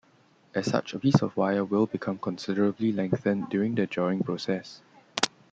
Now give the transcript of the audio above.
As such, a piece of wire will become considerably lengthened during the drawing process.